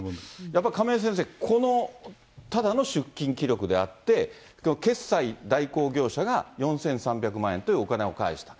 やっぱり亀井先生、このただの出金記録であって、決済代行業者が４３００万円というお金を返した。